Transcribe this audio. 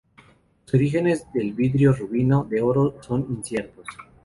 Los orígenes del vidrio rubino de oro son inciertos.